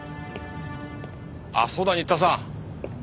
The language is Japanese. あっそうだ新田さん。